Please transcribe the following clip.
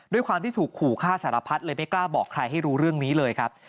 ด้วยความที่ถูกขู่ฆ่าสารพัดเลยไม่กล้าบอกใครให้รู้เรื่องนี้เลยครับ